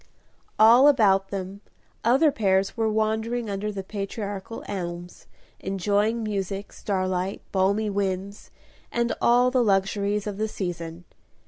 All about them other pairs were wandering under the patriarchal elms, enjoying music, starlight, balmy winds, and all the luxuries of the season.